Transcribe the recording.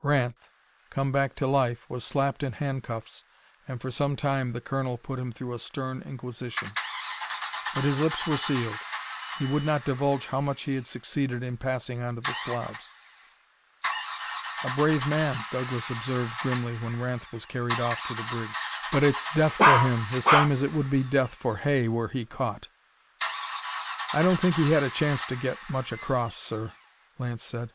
Ranth, come back to life, was slapped in handcuffs, and for some time the colonel put him through a stern inquisition. But his lips were sealed. He would not divulge how much he had succeeded in passing on to the Slavs. "A brave man," Douglas observed grimly when Ranth was carried off to the brig, "but it's death for him, the same as it would be death for Hay were he caught." "I don't think he had a chance to get much across, sir," Lance said.